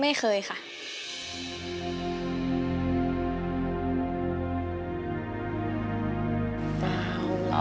ไม่เคยค่ะ